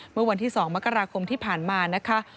เมื่อวันที่๒มกราคมที่ผ่านมานะคะ